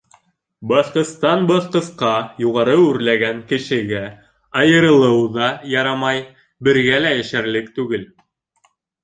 Баҫҡыстан- баҫҡысҡа юғары үрләгән кешегә айырылыу ҙа ярамай, бергә лә йәшәрлек түгел.